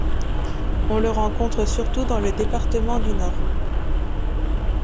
On le rencontre surtout dans le département du Nord.